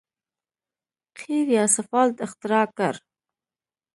قیر یا سفالټ اختراع کړ.